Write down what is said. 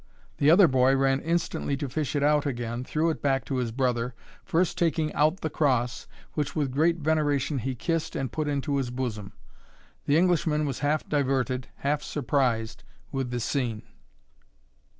The other boy ran instantly to fish it out again, threw it back to his brother, first taking out the cross, which, with great veneration, he kissed and put into his bosom. The Englishman was half diverted, half surprised, with the scene.